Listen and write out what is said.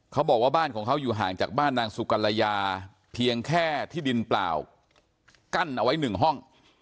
เขาบอกว่าบ้านของเขาอยู่ห่างจากบ้านนางสุกัลยาเพียงแค่ที่ดินเปล่ากั้นเอาไว้หนึ่งห้อง